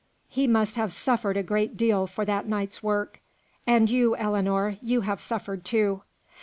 he must have suffered a great deal for that night's work. And you, Ellinor, you have suffered, too."